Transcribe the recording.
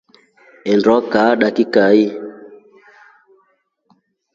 Ondee kaa dakikai.